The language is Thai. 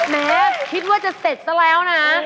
แม้คิดว่าจะเสร็จซะแล้วนะ